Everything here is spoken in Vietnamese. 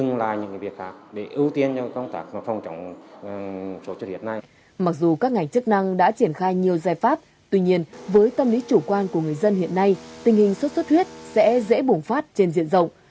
ngành y tế hương hóa đã triển khai nhiều giải pháp tuy nhiên với tâm lý chủ quan của người dân hiện nay tình hình xuất xuất huyết sẽ dễ bùng phát trên diện rộng